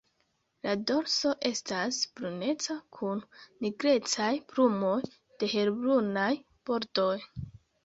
La dorso estas bruneca kun nigrecaj plumoj de helbrunaj bordoj.